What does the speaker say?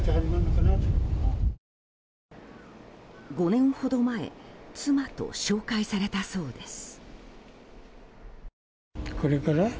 ５年ほど前妻と紹介されたそうです。